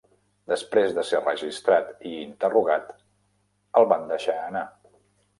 Després de ser registrat i interrogat, el van deixar anar.